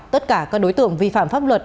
tất cả các đối tượng vi phạm pháp luật